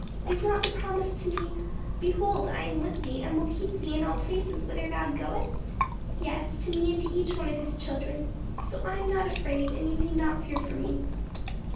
Is not the promise to me, 'Behold, I am with thee, and will keep thee in all places whither thou goest?' Yes; to me and to each one of His children. So I am not afraid, and you need not fear for me."